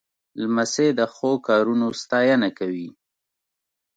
لمسی د ښو کارونو ستاینه کوي.